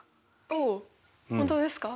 お本当ですか？